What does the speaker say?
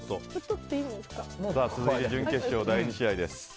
続いて準決勝、第２試合です。